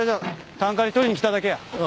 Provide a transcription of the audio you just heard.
炭カリ取りに来ただけや。